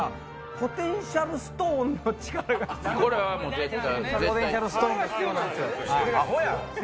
ポテンシャルストーンを持った。